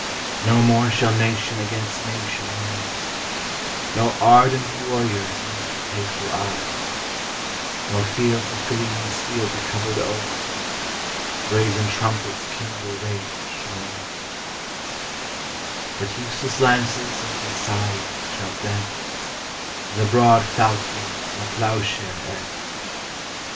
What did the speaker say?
No more shall nation against nation rise, Nor ardent warriors meet with hateful eyes, Nor fields with gleaming steel be covered o'er, The brazen trumpets kindle rage no more; But useless lances into scythes shall bend, And the broad falchion in a ploughshare end.